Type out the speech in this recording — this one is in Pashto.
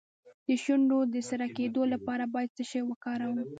د شونډو د سره کیدو لپاره باید څه شی وکاروم؟